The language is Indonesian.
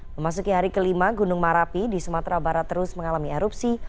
memasuki hari kelima gunung merapi di sumatera barat terus mengalami erupsi